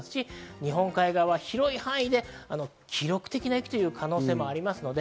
日本海側は広い範囲で記録的な雪という可能性もあります。